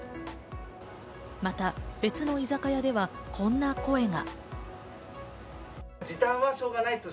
また別の居酒屋では、こんな声が。